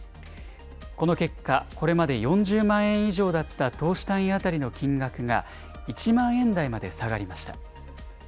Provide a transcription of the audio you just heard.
この結果、これまで４０万円以上だった投資単位当たりの金額が、１万円台まで下がりました。